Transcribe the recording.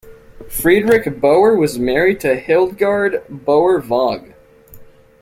Friedrich Bauer was married to Hildegard Bauer-Vogg.